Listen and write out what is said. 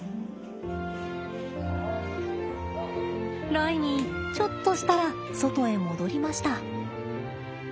ライミーちょっとしたら外へ戻りました。